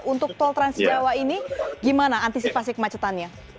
untuk tol transjawa ini gimana antisipasi kemacetannya